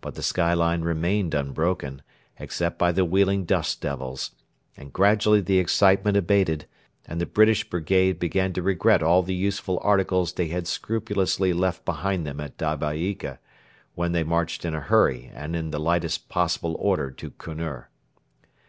But the skyline remained unbroken, except by the wheeling dust devils, and gradually the excitement abated, and the British brigade began to regret all the useful articles they had scrupulously left behind them at Dabeika, when they marched in a hurry and the lightest possible order to Kunur.